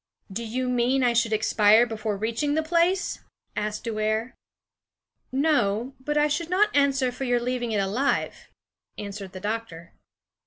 "Do you mean I should expire before reaching the place?" asked Duer. "No; but I should not answer for your leaving it alive," answered the doctor.